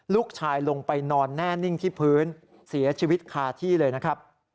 ลูกชายลงไปนอนแน่นิ่งที่พื้นเสียชีวิตคาที่เลยนะครับ